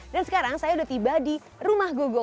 dan sekarang saya sudah tiba di rumah gogok